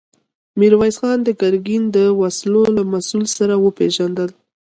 ميرويس خان د ګرګين د وسلو له مسوول سره وپېژندل.